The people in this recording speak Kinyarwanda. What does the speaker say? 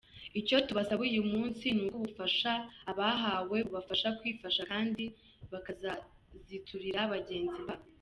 Icyo tubasaba uyu munsi ni uko ubufasha abahawe bubafasha kwifasha kandi bakazaziturira bagenzi babo”.